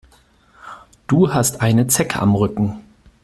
Du hast eine Zecke am Rücken.